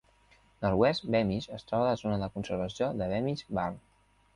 North West Beamish es troba a la zona de conservació de Beamish Burn.